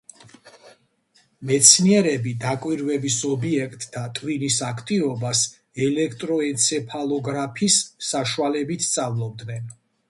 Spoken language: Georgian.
მეცნიერები დაკვირვების ობიექტთა ტვინის აქტივობას ელექტროენცეფალოგრაფის საშუალებით სწავლობდნენ.